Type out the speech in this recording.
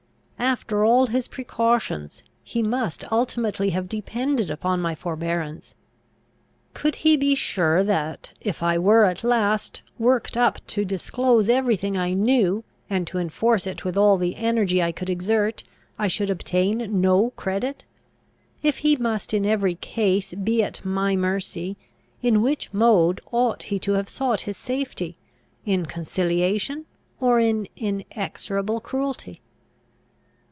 After all his precautions, he must ultimately have depended upon my forbearance. Could he be sure that, if I were at last worked up to disclose every thing I knew, and to enforce it with all the energy I could exert, I should obtain no credit? If he must in every case be at my mercy, in which mode ought he to have sought his safety, in conciliation, or in inexorable cruelty?